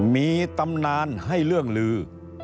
มีตำนานให้เรื่องลือ